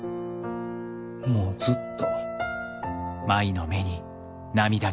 もうずっと。